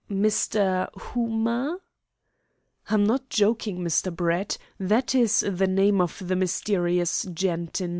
"Mr. Whom a?" "I'm not joking, Mr. Brett. That is the name of the mysterious gent in No.